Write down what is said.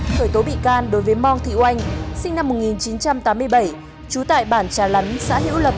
khởi tố bị can đối với mong thị oanh sinh năm một nghìn chín trăm tám mươi bảy trú tại bản trà lán xã hữu lập